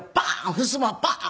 ふすまバーン！